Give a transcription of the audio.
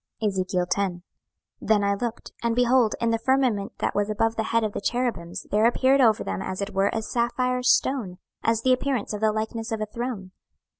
26:010:001 Then I looked, and, behold, in the firmament that was above the head of the cherubims there appeared over them as it were a sapphire stone, as the appearance of the likeness of a throne.